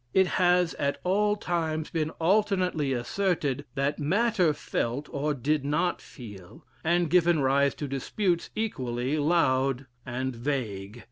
It has at all times been alternately asserted that Matter felt, or did not feel, and given rise to disputes equally loud and vague.